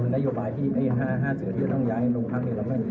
ห้าเสือที่ต้องย้ายให้โรงพักที่หรือไม่